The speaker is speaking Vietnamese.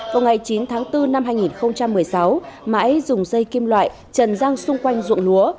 vào ngày chín tháng bốn năm hai nghìn một mươi sáu mãi dùng dây kim loại trần giang xung quanh dụng lúa